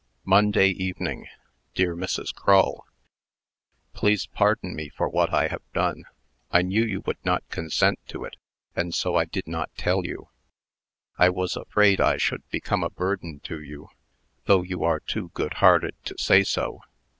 Monday Evening. DEAR MRS. CRULL: Please pardon me for what I have done. I knew you would not consent to it, and so I did not tell you. I was afraid I should become a burden to you; though you are too good hearted to say so.